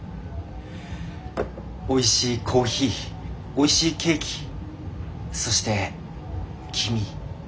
おいしいコーヒーおいしいケーキそして君。